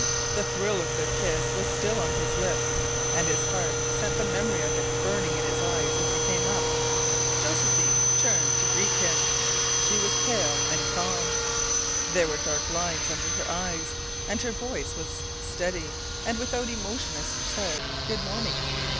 The thrill of their kiss was still on his lips, and his heart sent the memory of it burning in his eyes as he came up, Josephine turned to greet him. She was pale and calm. There were dark lines under her eyes, and her voice was steady and without emotion as she said "Good morning."